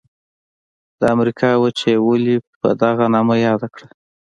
د امریکا وچه یې ولي په دغه نامه یاده کړه؟